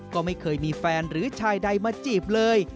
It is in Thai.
ก็ไม่เคยมีแฟนหรือชายใดมาจีบเลย